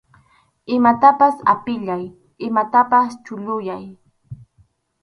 Imatapas apiyay, imatapas chulluyay.